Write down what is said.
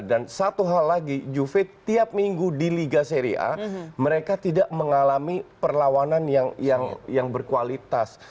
dan satu hal lagi juve tiap minggu di liga seri a mereka tidak mengalami perlawanan yang berkualitas